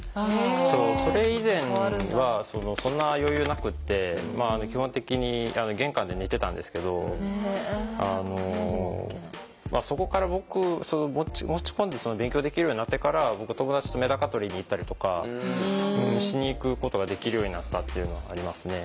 そうそれ以前はそんな余裕なくて基本的に玄関で寝てたんですけどあのそこから僕持ち込んで勉強できるようになってから僕友達とメダカ取りに行ったりとかしに行くことができるようになったっていうのはありますね。